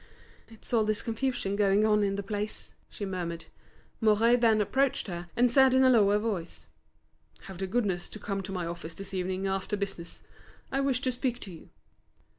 "It's all this confusion going on in the place," she murmured. Mouret then approached her and said in a lower voice: "Have the goodness to come to my office this evening after business. I wish to speak to you."